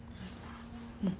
うん。